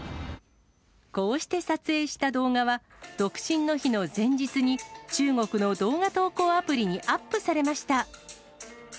こうして撮影した動画は、独身の日の前日に、中国の動画投稿アプリにアップされました。